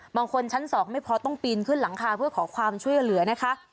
ชั้น๒ไม่พอต้องปีนขึ้นหลังคาเพื่อขอความช่วยเหลือนะคะ